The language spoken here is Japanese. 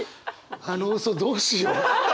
あの嘘どうしよう。